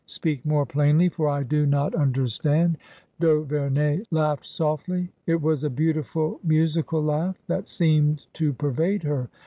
Speak more plainly. For I do not understand." D*Auverney laughed softly. It was a beautiful musi cal laugh that seemed to pervade her.